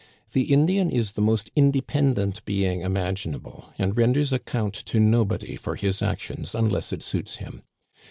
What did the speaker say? The Indian is the most independ ent being imaginable, and renders account to nobody for his actions unless it suits him.